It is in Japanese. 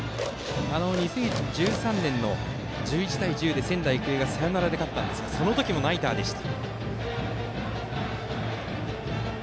２０１３年にも１１対１０で、仙台育英がサヨナラで勝ったんですがその時もナイターでした。